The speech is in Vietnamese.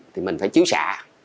thì mình phải chiếu xạ